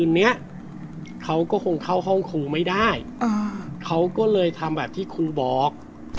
เหราะคูไม่ได้เขาก็เลยทำแบบที่คุณบอก